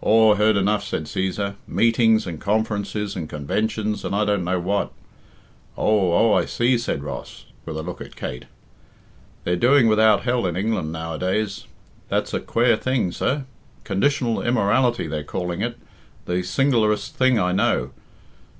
"Aw, heard enough," said Cæsar, "meetings, and conferences, and conventions, and I don't know what." "Oh, oh, I see," said Ross, with a look at Kate. "They're doing without hell in England now a days that's a quare thing, sir. Conditional immorality they're calling it the singlerest thing I know.